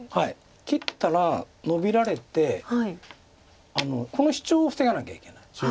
切ったらノビられてこのシチョウを防がなきゃいけないんです。